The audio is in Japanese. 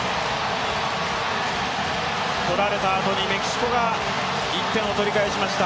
とられたあとにメキシコが１点を取り返しました。